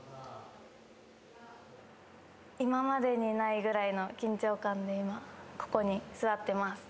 今までにないぐらいの緊張感で今ここに座ってます。